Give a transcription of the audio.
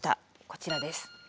こちらです。